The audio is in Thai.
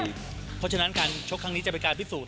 เพราะฉะนั้นการชกครั้งนี้จะเป็นการพิสูจน